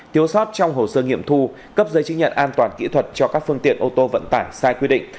thiếu sót trong hồ sơ nghiệm thu cấp giấy chứng nhận an toàn kỹ thuật cho các phương tiện ô tô vận tải sai quy định